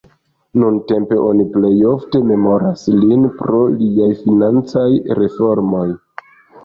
Nuntempe oni plej ofte memoras lin pro liaj financaj reformoj.